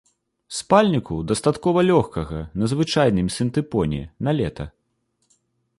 Спальніку дастаткова лёгкага, на звычайным сінтыпоне, на лета.